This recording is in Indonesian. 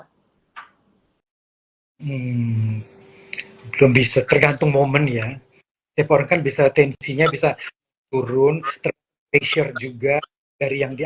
belum bisa tergantung momen ya depan kan bisa tensinya bisa turun teresur juga dari yang di